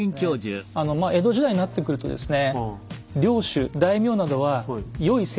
江戸時代になってくるとですね